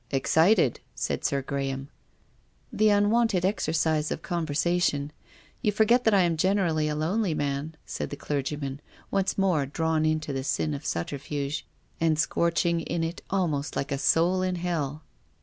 " Excited !" said Sir Graham. " The unwonted exercise of conversation. You forget that I am generally a lonely man," said the clergyman, once more drawn into the sin of sub THE GRAVE. 55 terfuge, and scorching in it almost like a soul in hell.